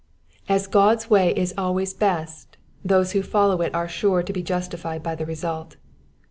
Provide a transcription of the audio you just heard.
As €k)d*s way is always best, those who follow it are sure to be justified by the result.